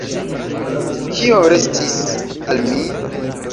Kio restis al mi?